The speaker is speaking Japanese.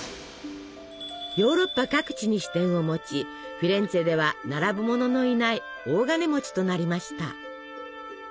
ヨーロッパ各地に支店を持ちフィレンツェでは並ぶ者のいない大金持ちとなりました。